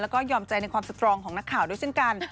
แล้วก็ยอมใจในความสตรองของนักข่าวด้วยเช่นกัน